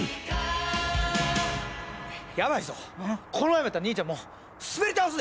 やばいぞこのままやったら兄ちゃんもう滑り倒すで！